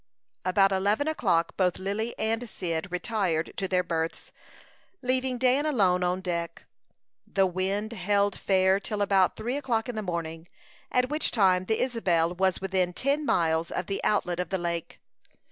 About eleven o'clock both Lily and Cyd retired to their berths, leaving Dan alone on deck. The wind held fair till about three o'clock in the morning, at which time the Isabel was within ten miles of the outlet of the lake.